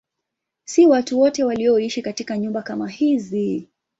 Si watu wote walioishi katika nyumba kama hizi.